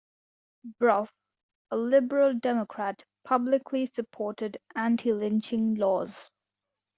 Brough, a liberal Democrat, publicly supported anti-lynching laws.